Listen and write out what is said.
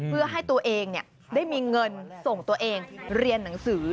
เพื่อให้ตัวเองได้มีเงินส่งตัวเองเรียนหนังสือ